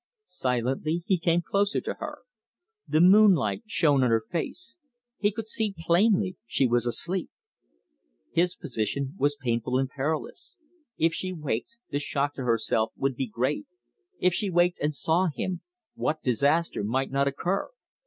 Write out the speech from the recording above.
Silently he came closer to her. The moonlight shone on her face. He could see plainly she was asleep. His position was painful and perilous. If she waked, the shock to herself would be great; if she waked and saw him, what disaster might not occur!